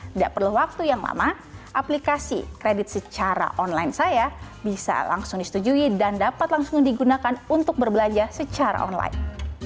tidak perlu waktu yang lama aplikasi kredit secara online saya bisa langsung disetujui dan dapat langsung digunakan untuk berbelanja secara online